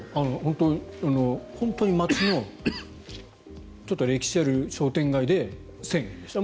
本当に街のちょっと歴史ある商店街で１０００円でした。